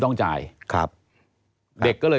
ตั้งแต่ปี๒๕๓๙๒๕๔๘